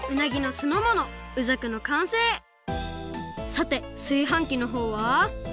さてすいはんきのほうは？